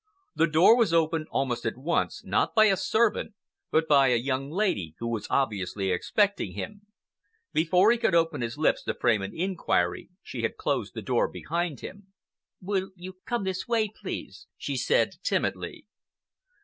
The door was opened almost at once, not by a servant but by a young lady who was obviously expecting him. Before he could open his lips to frame an inquiry, she had closed the door behind him. "Will you please come this way?" she said timidly.